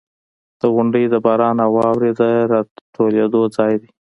• غونډۍ د باران او واورې د راټولېدو ځای دی.